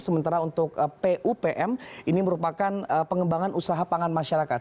sementara untuk pupm ini merupakan pengembangan usaha pangan masyarakat